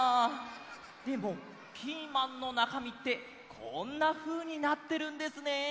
でもピーマンのなかみってこんなふうになってるんですね。